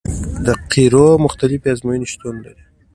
د قیرو مختلفې ازموینې شتون لري